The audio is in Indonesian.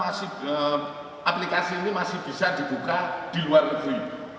aplikasi ini masih bisa dibuka di luar negeri